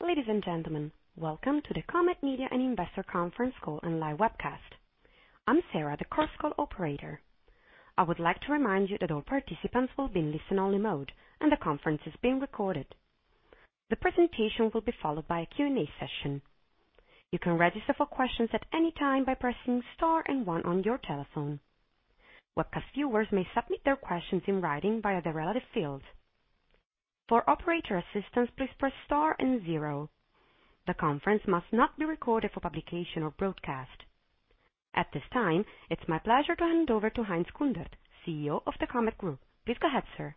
Ladies and gentlemen, welcome to the Comet Media and Investor Conference Call and live webcast. I'm Sarah, the Chorus Call operator. I would like to remind you that all participants will be in listen-only mode, and the conference is being recorded. The presentation will be followed by a Q&A session. You can register for questions at any time by pressing Star and One on your telephone. Webcast viewers may submit their questions in writing via the relevant fields. For operator assistance, please press Star and Zero. The conference must not be recorded for publication or broadcast. At this time, it's my pleasure to hand over to Heinz Kundert, CEO of the Comet Group. Please go ahead, sir.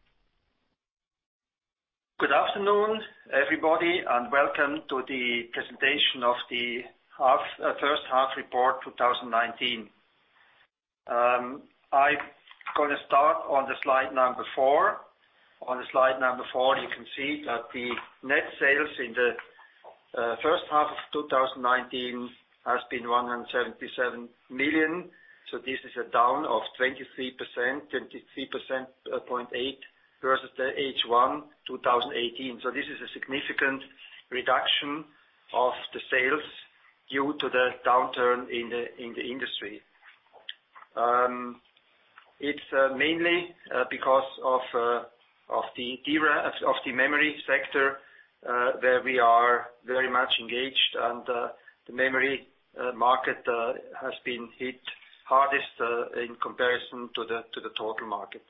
Good afternoon, everybody, and welcome to the presentation of the first half report 2019. I'm going to start on the slide number four. On slide number four, you can see that the net sales in the first half of 2019 has been 177 million. This is a down of 23%, 23.8% versus the H1 2018. This is a significant reduction of the sales due to the downturn in the industry. It's mainly because of the memory sector, where we are very much engaged, and the memory market has been hit hardest in comparison to the total market.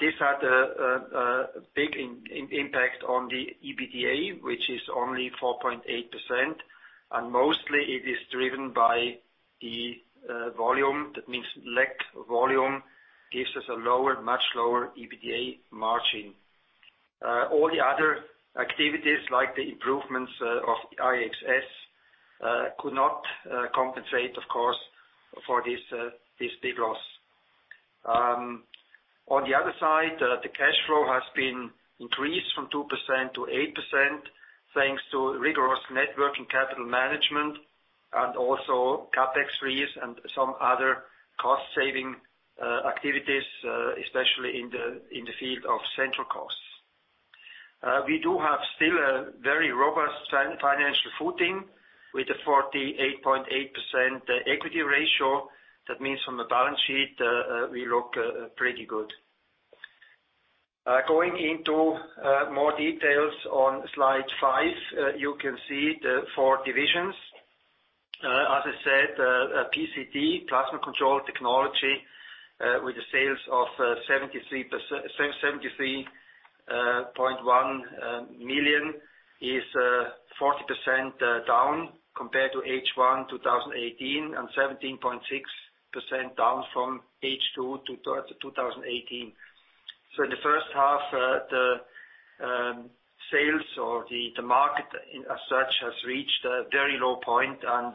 This had a big impact on the EBITDA, which is only 4.8%, and mostly it is driven by the volume. That means lack of volume gives us a much lower EBITDA margin. All the other activities, like the improvements of IXS, could not compensate, of course, for this big loss. On the other side, the cash flow has been increased from 2% to 8%, thanks to rigorous network and capital management and also CapEx freeze and some other cost-saving activities, especially in the field of central costs. We do have still a very robust financial footing with a 48.8% equity ratio. That means from the balance sheet, we look pretty good. Going into more details on slide five, you can see the four divisions. As I said, PCT, Plasma Control Technologies, with sales of 73.1 million, is 40% down compared to H1 2018 and 17.6% down from H2 2018. In the first half, the sales or the market as such has reached a very low point, and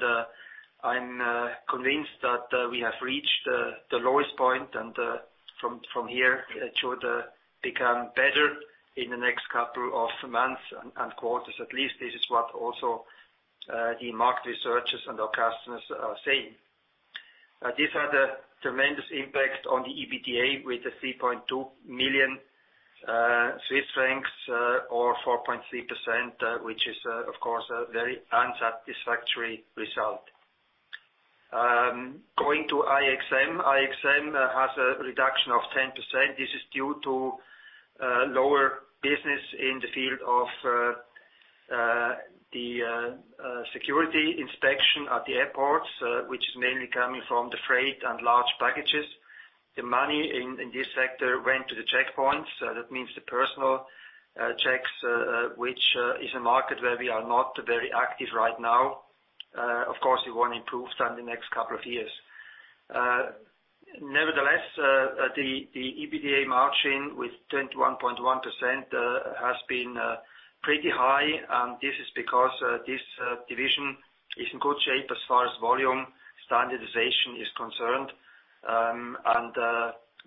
I'm convinced that we have reached the lowest point and from here it should become better in the next couple of months and quarters. At least this is what also the market researchers and our customers are saying. This had a tremendous impact on the EBITDA with 3.2 million Swiss francs or 4.3%, which is, of course, a very unsatisfactory result. Going to IXM. IXM has a reduction of 10%. This is due to lower business in the field of the security inspection at the airports, which is mainly coming from the freight and large packages. The money in this sector went to the checkpoints. That means the personal checks, which is a market where we are not very active right now. Of course, we want to improve that in the next couple of years. Nevertheless, the EBITDA margin with 21.1% has been pretty high, and this is because this division is in good shape as far as volume standardization is concerned.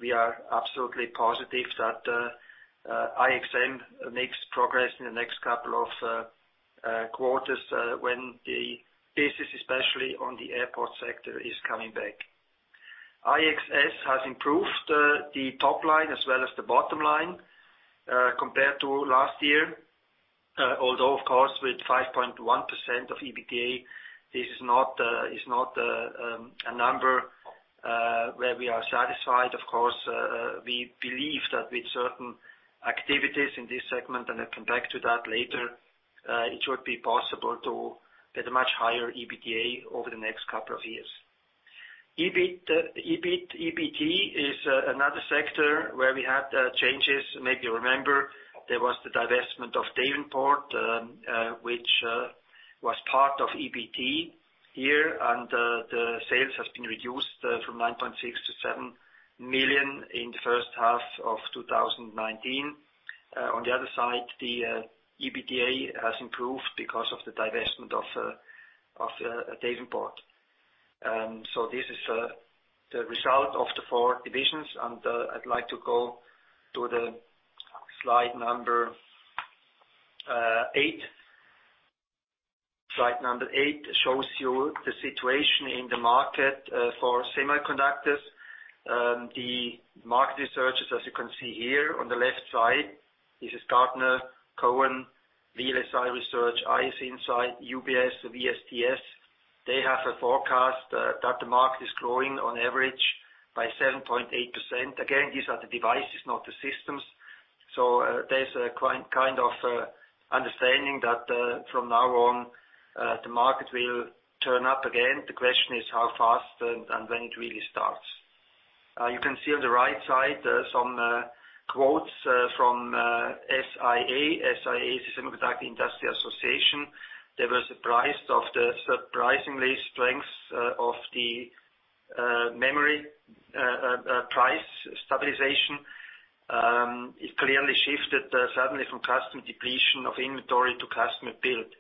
We are absolutely positive that IXM makes progress in the next couple of quarters when the business, especially on the airport sector, is coming back. IXS has improved the top line as well as the bottom line compared to last year. Although, of course, with 5.1% of EBITDA, this is not a number where we are satisfied, of course. We believe that with certain activities in this segment, and I come back to that later, it should be possible to get a much higher EBITDA over the next couple of years. EBT is another sector where we had changes. Maybe you remember there was the divestment of Davenport, which was part of EBT here, and the sales have been reduced from 9.6 to 7 million in the first half of 2019. On the other side, the EBITDA has improved because of the divestment of Davenport. This is the result of the four divisions, and I would like to go to slide number eight. Slide number eight shows you the situation in the market for semiconductors. The market researches, as you can see here on the left side. This is Gartner, Cowen, VLSIresearch, IC Insights, UBS, WSTS. They have a forecast that the market is growing on average by 7.8%. Again, these are the devices, not the systems. The question is how fast and when it really starts. You can see on the right side, some quotes from SIA. SIA is Semiconductor Industry Association. They were surprised of the surprisingly strength of the memory price stabilization. It clearly shifted suddenly from customer depletion of inventory to customer build.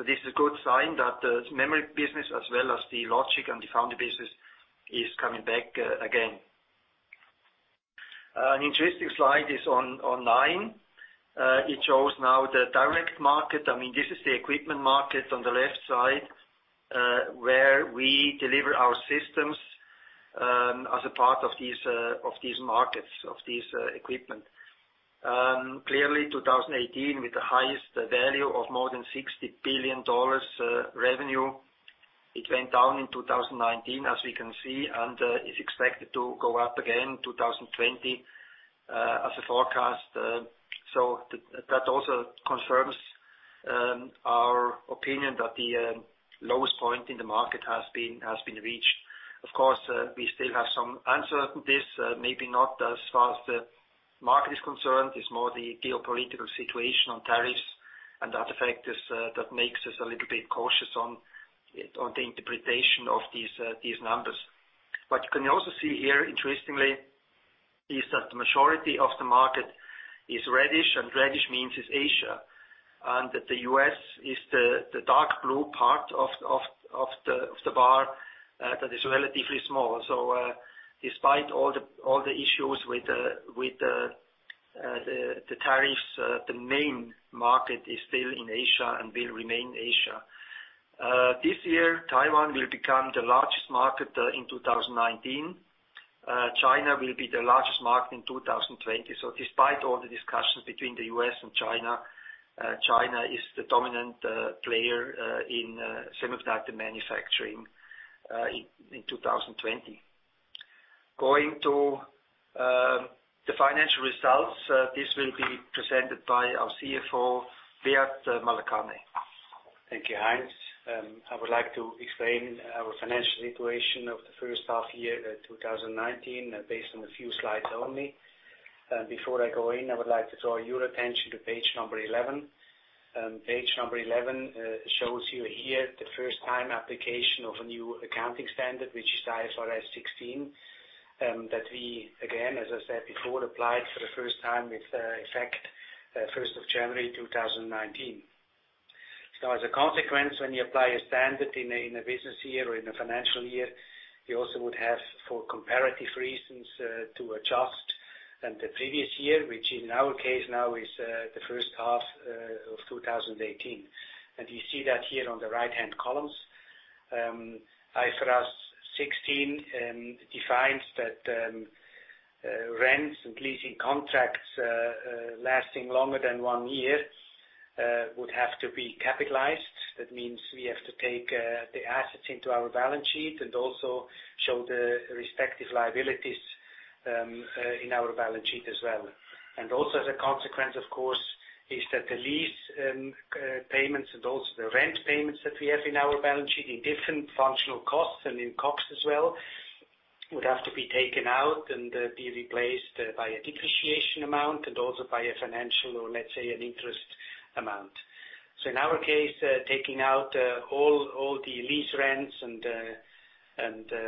This is a good sign that the memory business, as well as the logic and the foundry business, is coming back again. An interesting slide is on nine. It shows now the direct market. This is the equipment market on the left side, where we deliver our systems as a part of these markets, of this equipment. Clearly, 2018, with the highest value of more than $60 billion revenue. It went down in 2019, as we can see, and is expected to go up again in 2020 as a forecast. That also confirms our opinion that the lowest point in the market has been reached. Of course, we still have some uncertainties, maybe not as far as the market is concerned. It is more the geopolitical situation on tariffs and other factors that makes us a little bit cautious on the interpretation of these numbers. What you can also see here, interestingly, is that the majority of the market is reddish means it's Asia. That the U.S. is the dark blue part of the bar that is relatively small. Despite all the issues with the tariffs, the main market is still in Asia and will remain Asia. This year, Taiwan will become the largest market in 2019. China will be the largest market in 2020. Despite all the discussions between the U.S. and China is the dominant player in semiconductor manufacturing in 2020. Going to the financial results. This will be presented by our CFO, Beat Malacarne. Thank you, Heinz. I would like to explain our financial situation of the first half year, 2019, based on a few slides only. Before I go in, I would like to draw your attention to page number 11. Page number 11 shows you here the first-time application of a new accounting standard, which is IFRS 16, that we, again, as I said before, applied for the first time with effect first of January 2019. As a consequence, when you apply a standard in a business year or in a financial year, you also would have, for comparative reasons, to adjust the previous year, which in our case now is the first half of 2018. You see that here on the right-hand columns. IFRS 16 defines that rents and leasing contracts lasting longer than one year would have to be capitalized. That means we have to take the assets into our balance sheet and also show the respective liabilities in our balance sheet as well. As a consequence, of course, is that the lease payments and also the rent payments that we have in our balance sheet in different functional costs and in COGS as well, would have to be taken out and be replaced by a depreciation amount and also by a financial, or let's say, an interest amount. In our case, taking out all the lease rents and the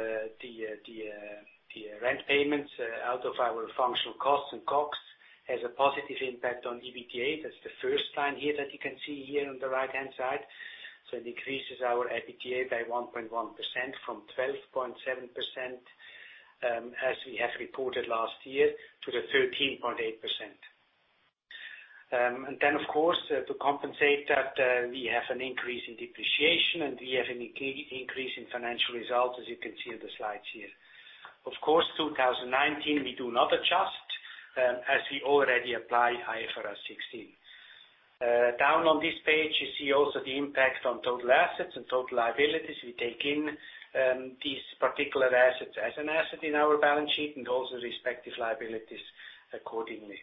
rent payments out of our functional costs and COGS, has a positive impact on EBITDA. That's the first line here that you can see here on the right-hand side. It increases our EBITDA by 1.1% from 12.7%, as we have reported last year, to the 13.8%. Of course, to compensate that, we have an increase in depreciation and we have an increase in financial results, as you can see on the slides here. Of course, 2019, we do not adjust, as we already applied IFRS 16. Down on this page, you see also the impact on total assets and total liabilities. We take in these particular assets as an asset in our balance sheet and also respective liabilities accordingly.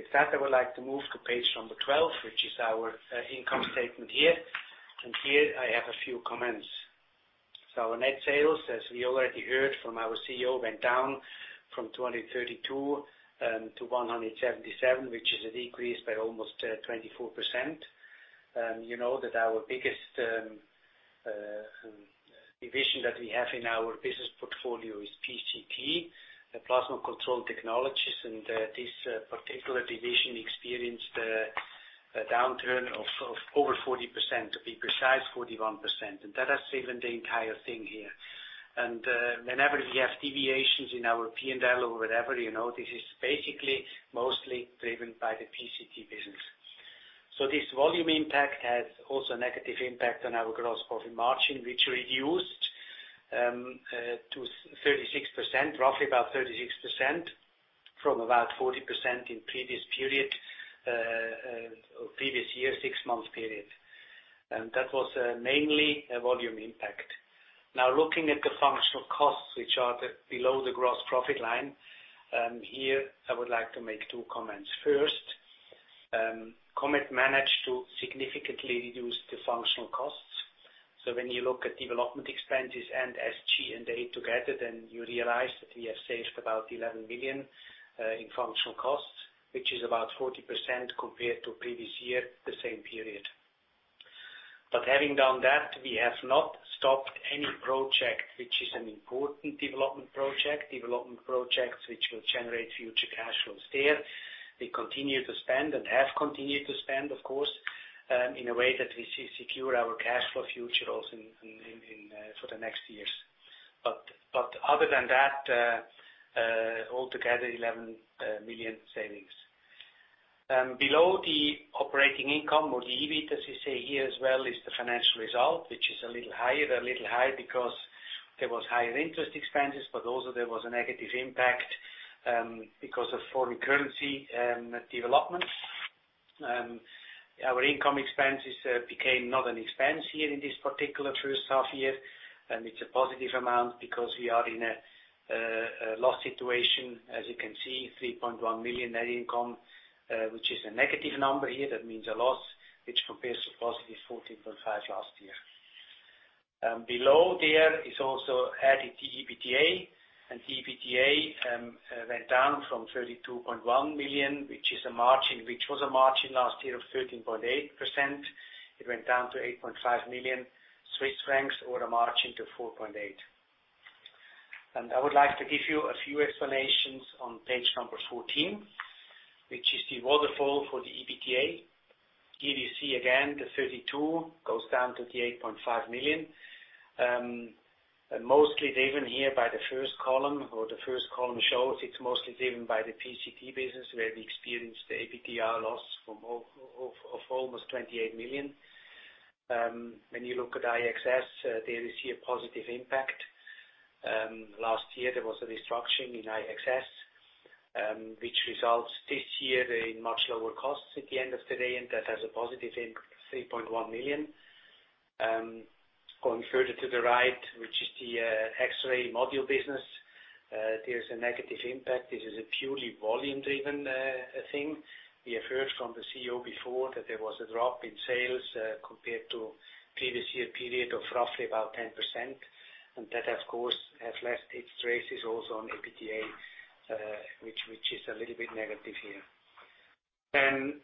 With that, I would like to move to page number 12, which is our income statement here. Here I have a few comments. Our net sales, as we already heard from our CEO, went down from 232 to 177, which is a decrease by almost 24%. You know that our biggest division that we have in our business portfolio is PCT, Plasma Control Technologies. This particular division experienced a downturn of over 40%, to be precise, 41%. That has driven the entire thing here. Whenever we have deviations in our P&L or whatever, this is basically mostly driven by the PCT business. This volume impact has also a negative impact on our gross profit margin, which reduced to 36%, roughly about 36%, from about 40% in previous year, six-month period. That was mainly a volume impact. Looking at the functional costs, which are below the gross profit line, here I would like to make two comments. First, Comet managed to significantly reduce the functional costs. When you look at development expenses and SG&A together, you realize that we have saved about 11 million in functional costs, which is about 40% compared to previous year, the same period. Having done that, we have not stopped any project, which is an important development projects which will generate future cash flows. There, we continue to spend and have continued to spend, of course, in a way that we secure our cash flow future also for the next years. Other than that, altogether 11 million savings. Below the operating income or the EBT, as you say here as well, is the financial result, which is a little higher. They're a little high because there was higher interest expenses, but also there was a negative impact because of foreign currency developments. Our income expenses became not an expense here in this particular first half year, and it's a positive amount because we are in a loss situation. As you can see, 3.1 million net income, which is a negative number here, that means a loss, which compares to positive 14.5 last year. Below there is also added the EBITDA. The EBITDA went down from 32.1 million, which was a margin last year of 13.8%. It went down to 8.5 million Swiss francs or a margin to 4.8%. I would like to give you a few explanations on page number 14, which is the waterfall for the EBITDA. Here you see again, the 32 goes down to the 8.5 million. Mostly driven here by the first column, or the first column shows it's mostly driven by the PCT business, where we experienced the EBITDA loss of almost 28 million. When you look at IXS, there you see a positive impact. Last year, there was a restructuring in IXS, which results this year in much lower costs at the end of the day. That has a positive 3.1 million. Going further to the right, which is the X-Ray Modules business, there's a negative impact. This is a purely volume-driven thing. We have heard from the CEO before that there was a drop in sales compared to previous year period of roughly about 10%. That, of course, has left its traces also on EBITDA, which is a little bit negative here.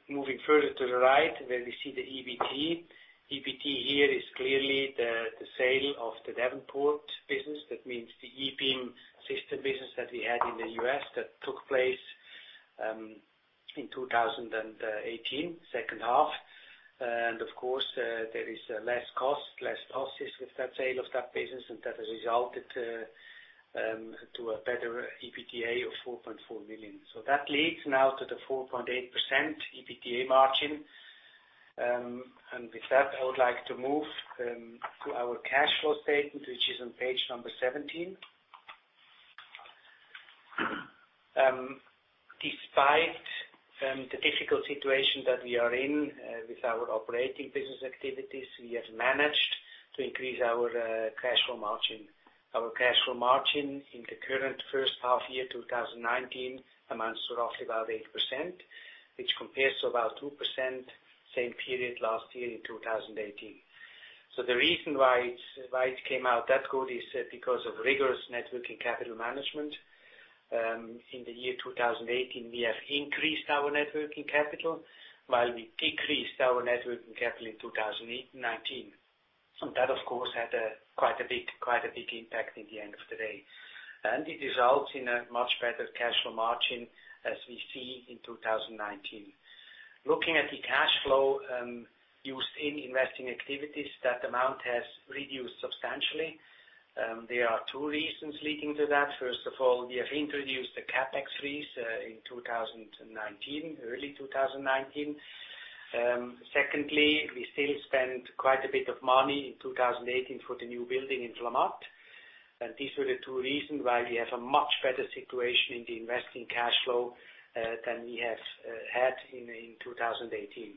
Moving further to the right, where we see the EBIT. EBIT here is clearly the sale of the Davenport business. That means the ebeam systems business that we had in the U.S. that took place in 2018, second half. Of course, there is less costs, less losses with that sale of that business, and that has resulted to a better EBITDA of 4.4 million. That leads now to the 4.8% EBITDA margin. With that, I would like to move to our cash flow statement, which is on page number 17. Despite the difficult situation that we are in with our operating business activities, we have managed to increase our cash flow margin. Our cash flow margin in the current first half year 2019 amounts to roughly about 8%, which compares to about 2% same period last year in 2018. The reason why it came out that good is because of rigorous net working capital management. In the year 2018, we have increased our net working capital, while we decreased our net working capital in 2019. That, of course, had quite a big impact in the end of the day. It results in a much better cash flow margin, as we see in 2019. Looking at the cash flow used in investing activities, that amount has reduced substantially. There are two reasons leading to that. First of all, we have introduced a CapEx freeze in 2019, early 2019. Secondly, we still spent quite a bit of money in 2018 for the new building in Flamatt. These were the two reasons why we have a much better situation in the investing cash flow than we have had in 2018.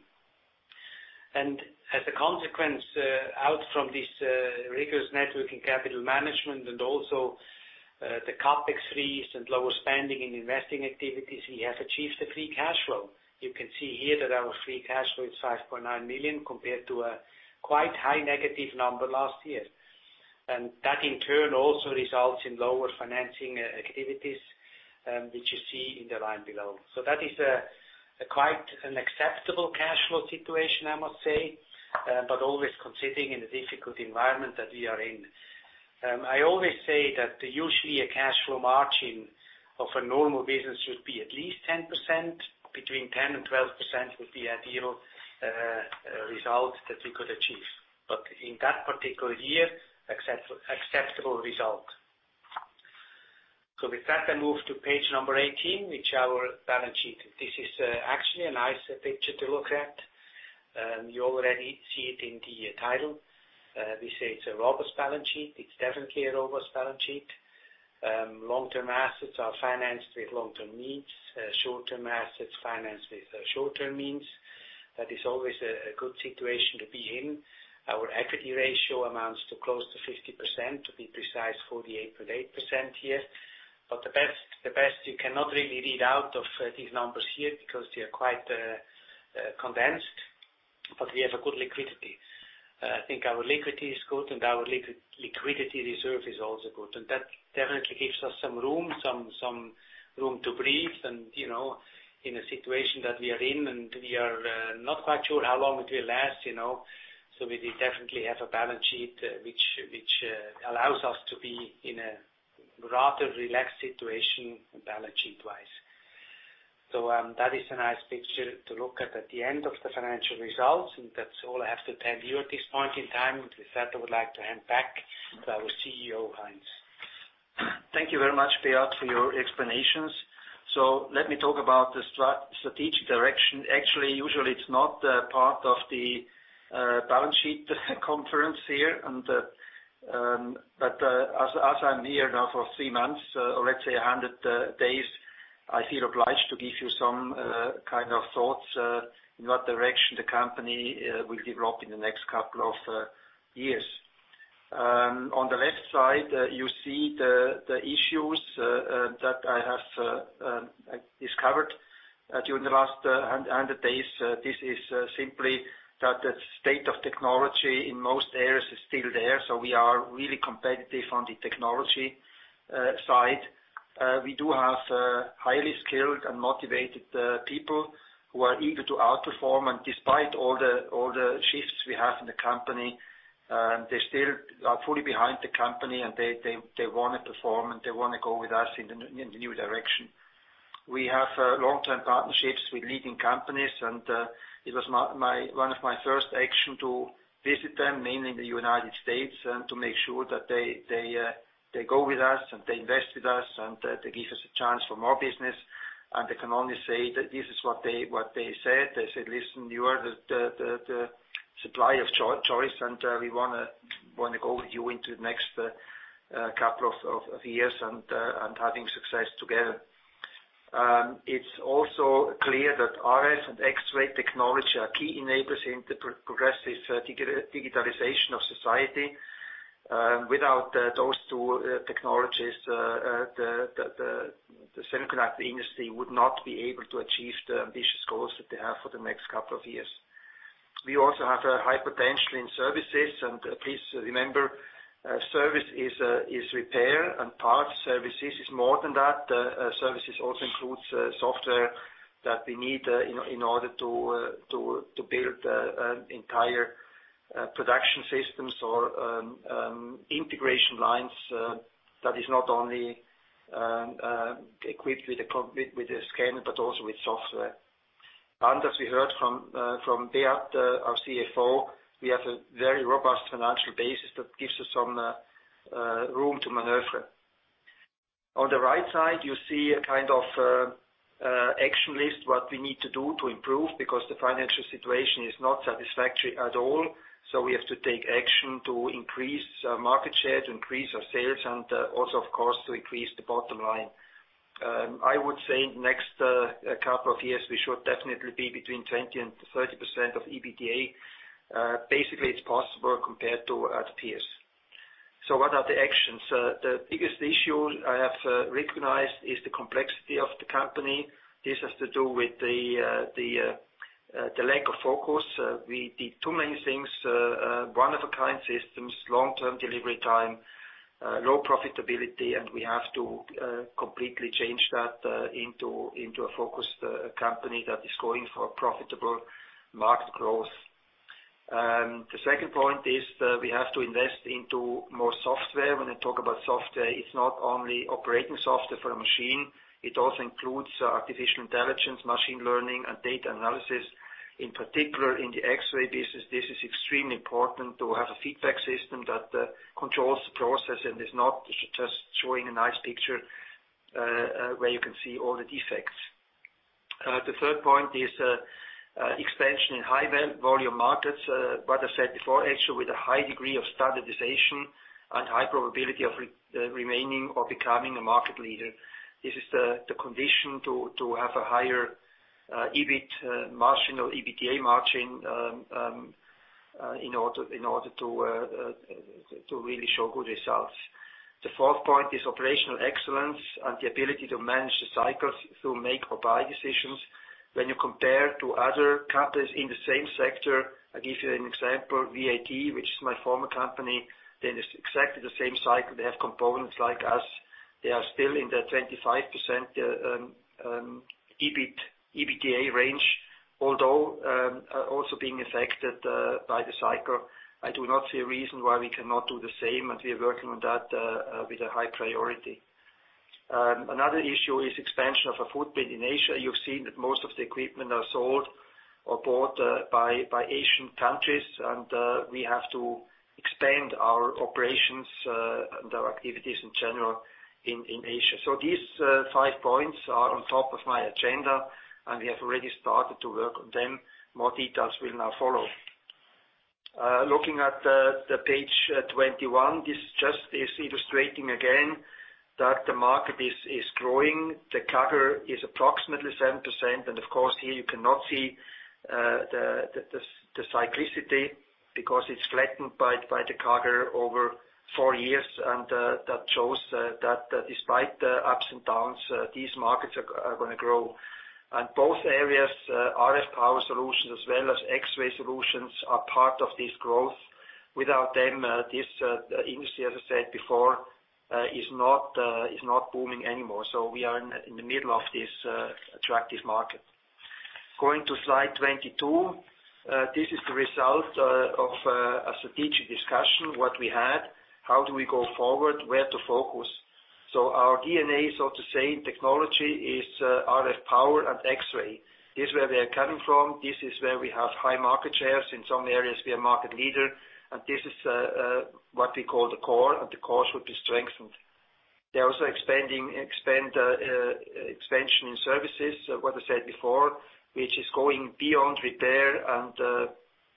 As a consequence, out from this rigorous net working capital management and also the CapEx freeze and lower spending in investing activities, we have achieved the free cash flow. You can see here that our free cash flow is 5.9 million compared to a quite high negative number last year. That in turn also results in lower financing activities, which you see in the line below. That is quite an acceptable cash flow situation, I must say, but always considering in the difficult environment that we are in. I always say that usually a cash flow margin of a normal business should be at least 10%. Between 10% and 12% would be ideal result that we could achieve. In that particular year, acceptable result. With that, I move to page number 18, which our balance sheet. This is actually a nice picture to look at. You already see it in the title. We say it's a robust balance sheet. It's definitely a robust balance sheet. Long-term assets are financed with long-term means. Short-term assets financed with short-term means. That is always a good situation to be in. Our equity ratio amounts to close to 50%, to be precise, 48.8% here. The best you cannot really read out of these numbers here because they are quite condensed, but we have a good liquidity. I think our liquidity is good and our liquidity reserve is also good, and that definitely gives us some room to breathe. And in a situation that we are in, and we are not quite sure how long it will last. We definitely have a balance sheet which allows us to be in a rather relaxed situation balance sheet-wise. That is a nice picture to look at the end of the financial results, and that's all I have to tell you at this point in time. With that, I would like to hand back to our CEO, Heinz. Thank you very much, Beat, for your explanations. Let me talk about the strategic direction. Actually, usually it's not part of the balance sheet conference here, but as I'm here now for three months or let's say 100 days, I feel obliged to give you some kind of thoughts in what direction the company will develop in the next couple of years. On the left side, you see the issues that I have discovered during the last 100 days. This is simply that the state of technology in most areas is still there. We are really competitive on the technology side. We do have highly skilled and motivated people who are eager to outperform. Despite all the shifts we have in the company, they still are fully behind the company, and they want to perform, and they want to go with us in the new direction. We have long-term partnerships with leading companies. It was one of my first actions to visit them, mainly in the U.S., and to make sure that they go with us and they invest with us and that they give us a chance for more business. I can only say that this is what they said. They said, "Listen, you are the supplier of choice, and we want to go with you into the next couple of years and having success together." It's also clear that RF and X-ray technology are key enablers in the progressive digitalization of society. Without those two technologies, the semiconductor industry would not be able to achieve the ambitious goals that they have for the next couple of years. We also have a high potential in services. Please remember, service is repair and parts. Services is more than that. Services also includes software that we need in order to build entire production systems or integration lines that is not only equipped with a scanner, but also with software. As we heard from Beat, our CFO, we have a very robust financial basis that gives us some room to maneuver. On the right side, you see a kind of action list, what we need to do to improve, because the financial situation is not satisfactory at all. We have to take action to increase our market share, to increase our sales, and also, of course, to increase the bottom line. I would say next couple of years, we should definitely be between 20% and 30% of EBITDA. Basically, it's possible compared to our peers. What are the actions? The biggest issue I have recognized is the complexity of the company. This has to do with the lack of focus. We did too many things, one-of-a-kind systems, long-term delivery time, low profitability, and we have to completely change that into a focused company that is going for profitable market growth. The second point is we have to invest into more software. When I talk about software, it's not only operating software for a machine, it also includes artificial intelligence, machine learning, and data analysis. In particular, in the X-Ray business, this is extremely important to have a feedback system that controls the process and is not just showing a nice picture where you can see all the defects. The third point is expansion in high volume markets. What I said before, actually, with a high degree of standardization and high probability of remaining or becoming a market leader. This is the condition to have a higher EBIT margin or EBITDA margin in order to really show good results. The fourth point is operational excellence and the ability to manage the cycles through make or buy decisions. When you compare to other companies in the same sector, I give you an example, VAT, which is my former company, they're in exactly the same cycle. They have components like us. They are still in the 25% EBITDA range, although also being affected by the cycle. I do not see a reason why we cannot do the same, and we are working on that with a high priority. Another issue is expansion of a footprint in Asia. You've seen that most of the equipment are sold or bought by Asian countries. We have to expand our operations and our activities in general in Asia. These five points are on top of my agenda, and we have already started to work on them. More details will now follow. Looking at the page 21, this just is illustrating again that the market is growing. The CAGR is approximately 7%, and of course, here you cannot see the cyclicity because it's flattened by the CAGR over four years. That shows that despite the ups and downs, these markets are going to grow. Both areas, RF power solutions as well as X-ray solutions, are part of this growth. Without them, this industry, as I said before, is not booming anymore. We are in the middle of this attractive market. Going to slide 22. This is the result of a strategic discussion, what we had, how do we go forward, where to focus. Our DNA, so to say, in technology, is RF power and X-ray. This is where we are coming from, this is where we have high market shares. In some areas, we are market leader, and this is what we call the core, and the core should be strengthened. They're also expansion in services, what I said before, which is going beyond repair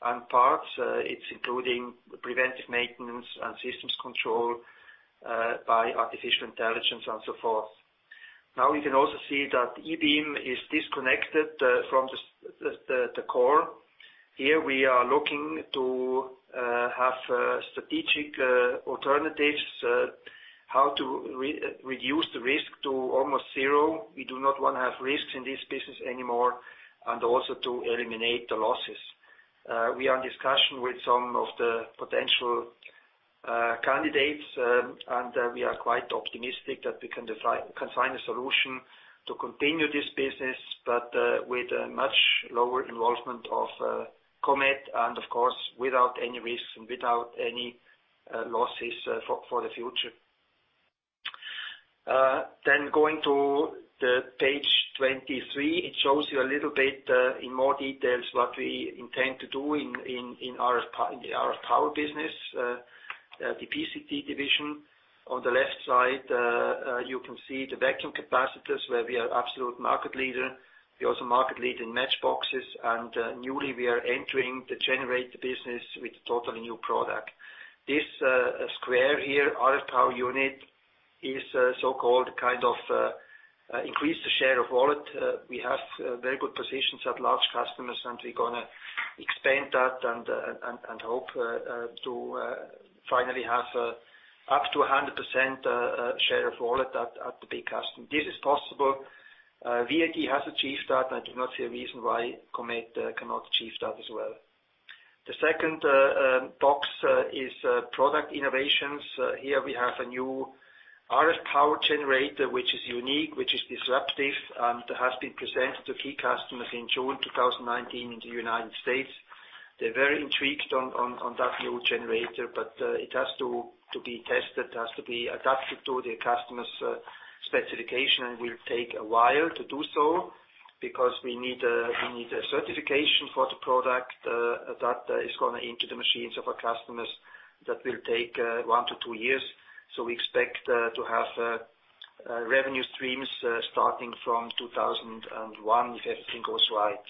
and parts. It's including preventive maintenance and systems control, by artificial intelligence and so forth. You can also see that eBeam is disconnected from the core. Here we are looking to have strategic alternatives, how to reduce the risk to almost zero. We do not want to have risks in this business anymore. Also to eliminate the losses. We are in discussion with some of the potential candidates. We are quite optimistic that we can find a solution to continue this business, but with a much lower involvement of Comet and of course, without any risks and without any losses for the future. Going to page 23, it shows you a little bit in more details what we intend to do in the RF power business, the PCT division. On the left side, you can see the vacuum capacitors where we are absolute market leader. We are also market leader in matchboxes. Newly we are entering the generator business with a totally new product. This square here, RF power unit, is so-called increased share of wallet. We have very good positions at large customers and we're going to expand that and hope to finally have up to 100% share of wallet at the big customer. This is possible. VAT has achieved that, and I do not see a reason why Comet cannot achieve that as well. The second box is product innovations. Here we have a new RF power generator, which is unique, which is disruptive, and has been presented to key customers in June 2019 in the U.S. They're very intrigued on that new generator, but it has to be tested, it has to be adapted to the customer's specification, and will take a while to do so, because we need a certification for the product that is going into the machines of our customers. That will take 1-2 years. We expect to have revenue streams starting from 2021, if everything goes right.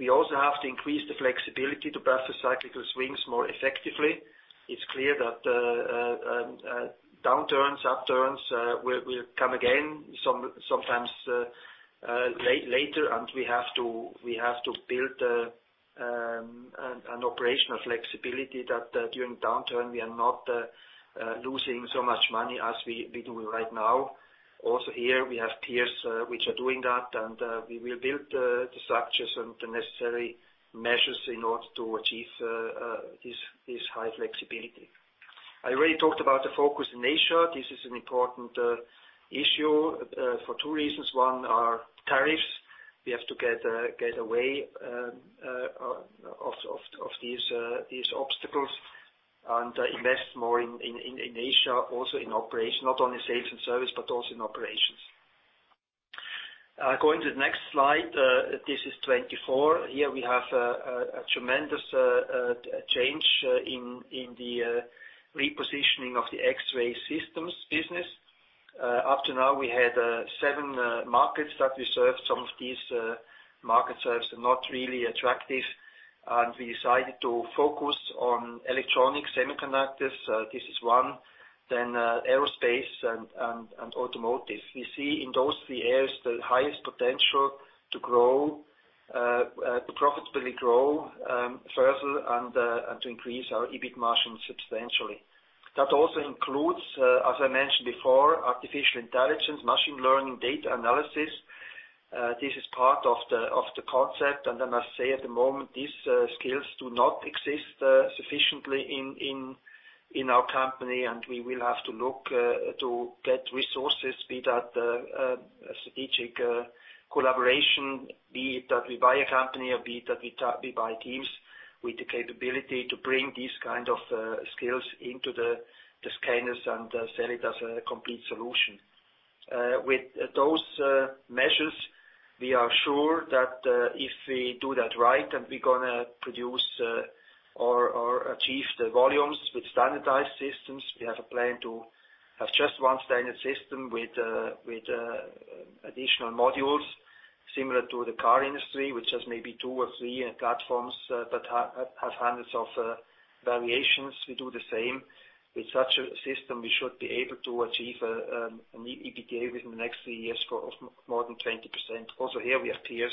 We also have to increase the flexibility to buffer cyclical swings more effectively. It's clear that downturns, upturns will come again, sometimes later, and we have to build an operational flexibility that during downturn, we are not losing so much money as we do right now. Also here we have peers which are doing that, and we will build the structures and the necessary measures in order to achieve this high flexibility. I already talked about the focus in Asia. This is an important issue for two reasons. One are tariffs. We have to get away of these obstacles and invest more in Asia, also in operation, not only sales and service, but also in operations. Going to the next slide. This is 24. Here we have a tremendous change in the repositioning of the X-Ray Systems business. Up to now, we had seven markets that we served. Some of these market serves are not really attractive, and we decided to focus on electronics, semiconductors, this is one, then aerospace and automotive. We see in those three areas, the highest potential to profitability grow further, and to increase our EBIT margin substantially. That also includes, as I mentioned before, artificial intelligence, machine learning, data analysis. This is part of the concept. I must say, at the moment, these skills do not exist sufficiently in our company, and we will have to look to get resources, be that a strategic collaboration, be it that we buy a company or be it that we buy teams with the capability to bring these kind of skills into the scanners and sell it as a complete solution. With those measures, we are sure that if we do that right, and we're going to produce or achieve the volumes with standardized systems. We have a plan to have just one standard system with additional modules similar to the car industry, which has maybe two or three platforms that have hundreds of variations. We do the same. With such a system, we should be able to achieve an EBITDA within the next three years, of more than 20%. Here we have peers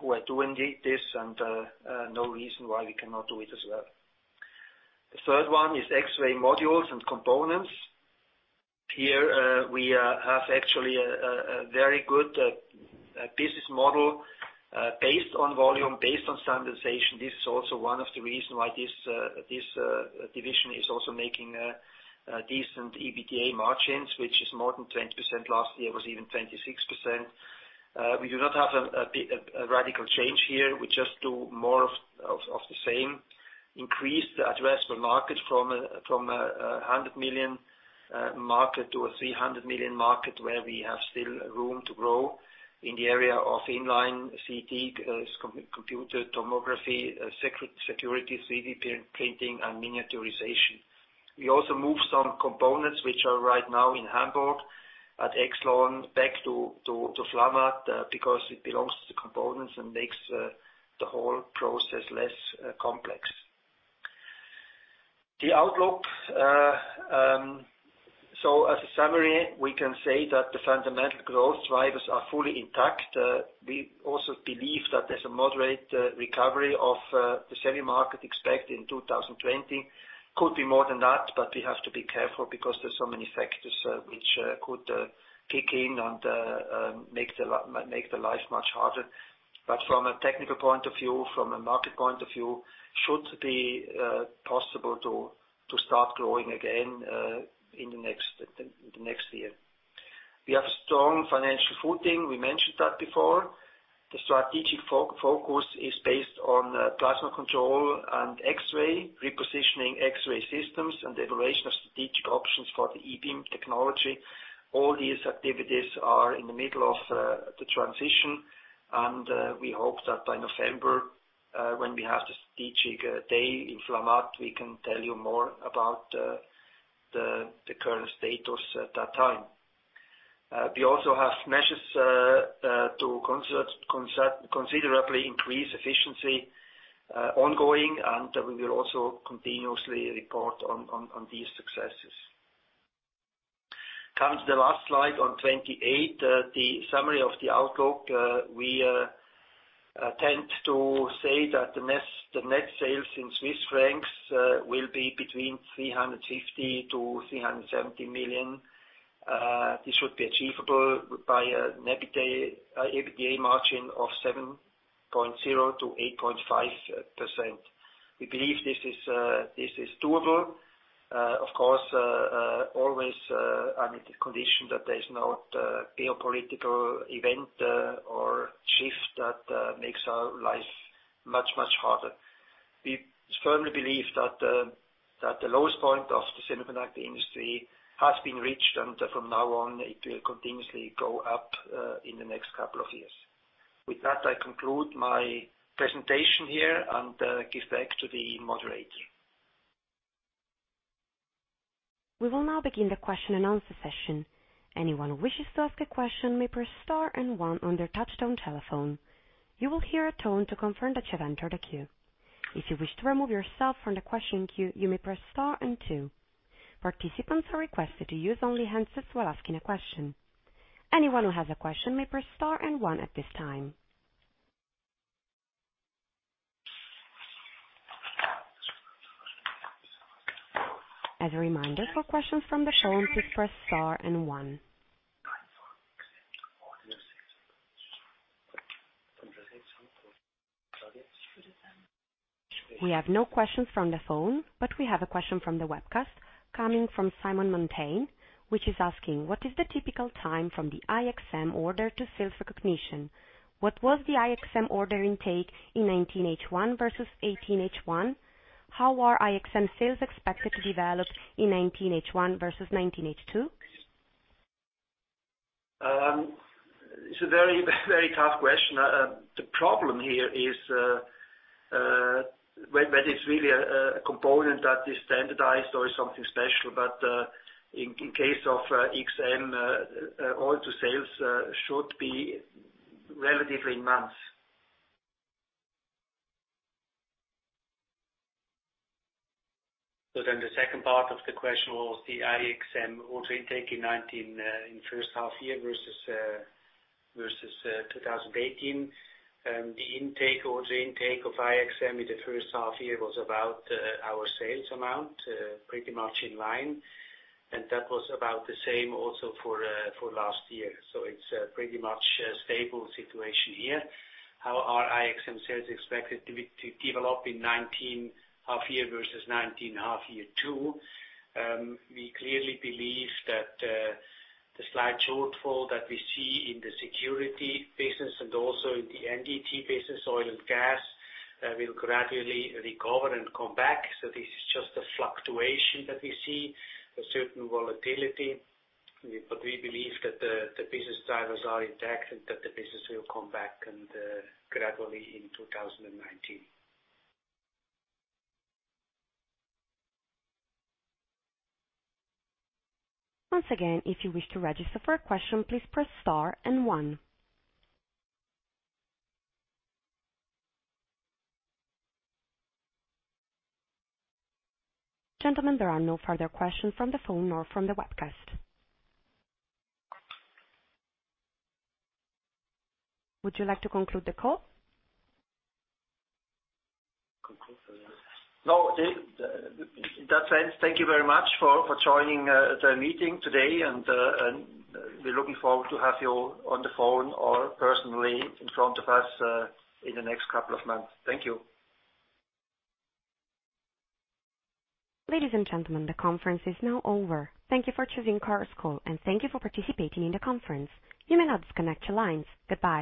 who are doing this, and no reason why we cannot do it as well. The third one is X-Ray Modules and components. Here we have actually a very good business model based on volume, based on standardization. This is also one of the reason why this division is also making decent EBITDA margins, which is more than 20%, last year was even 26%. We do not have a radical change here. We just do more of the same. Increase the addressable market from 100 million market to a 300 million market where we have still room to grow in the area of inline CT, computed tomography, security, 3D printing, and miniaturization. We also move some components, which are right now in Hamburg at Yxlon back to Flamatt because it belongs to components and makes the whole process less complex. The outlook. As a summary, we can say that the fundamental growth drivers are fully intact. We also believe that there's a moderate recovery of the semi market expected in 2020. Could be more than that, but we have to be careful because there's so many factors which could kick in and make the life much harder. From a technical point of view, from a market point of view, should be possible to start growing again in the next year. We have strong financial footing. We mentioned that before. The strategic focus is based on plasma control and X-ray, repositioning X-Ray Systems, and evaluation of strategic options for the eBeam technology. All these activities are in the middle of the transition, and we hope that by November, when we have the strategic day in Flamatt, we can tell you more about the current status at that time. We also have measures to considerably increase efficiency ongoing, and we will also continuously report on these successes. Come to the last slide on 28, the summary of the outlook. We tend to say that the net sales in Swiss francs will be between 350 million-370 million. This should be achievable by an EBITDA margin of 7.0%-8.5%. We believe this is doable. Of course, always under the condition that there is no geopolitical event or shift that makes our life much, much harder. We firmly believe that the lowest point of the semiconductor industry has been reached, and from now on, it will continuously go up in the next couple of years. With that, I conclude my presentation here and give back to the moderator. We will now begin the question and answer session. Anyone who wishes to ask a question may press star and one on their touch-tone telephone. You will hear a tone to confirm that you have entered a queue. If you wish to remove yourself from the question queue, you may press star and two. Participants are requested to use only handsets while asking a question. Anyone who has a question may press star and one at this time. As a reminder, for questions from the phone, please press star and one. We have no questions from the phone, but we have a question from the webcast coming from Simon Mountain, which is asking: What is the typical time from the IXM order to sales recognition? What was the IXM order intake in 19H1 versus 18H1? How are IXM sales expected to develop in 19H1 versus 19H2? It's a very tough question. The problem here is when it's really a component that is standardized or is something special. In case of IXM, order to sales should be relatively months. The second part of the question was the IXM order intake in first half year versus 2018. The order intake of IXM in the first half year was about our sales amount, pretty much in line. That was about the same also for last year. It's a pretty much stable situation here. How are IXM sales expected to develop in first half year versus second half year two? We clearly believe that the slight shortfall that we see in the security business and also in the NDT business, oil and gas, will gradually recover and come back. This is just a fluctuation that we see, a certain volatility. We believe that the business drivers are intact and that the business will come back gradually in 2019. Once again, if you wish to register for a question, please press star one. Gentlemen, there are no further questions from the phone nor from the webcast. Would you like to conclude the call? No. In that sense, thank you very much for joining the meeting today, and we're looking forward to have you on the phone or personally in front of us in the next couple of months. Thank you. Ladies and gentlemen, the conference is now over. Thank you for choosing Chorus Call, and thank you for participating in the conference. You may now disconnect your lines. Goodbye.